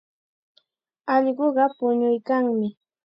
Allquqa puñuykanmi.